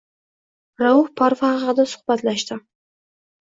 Rauf Parfi xaqida suhbatlashdim.